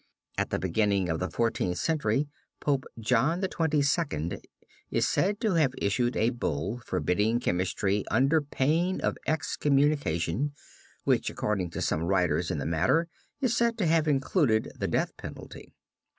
At the beginning of the Fourteenth Century Pope John XXII. is said to have issued a Bull forbidding chemistry under pain of excommunication, which according to some writers in the matter is said to have included the death penalty.